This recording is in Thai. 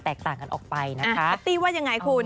ปลาฮ์ตี้ว่ายังไงคุณ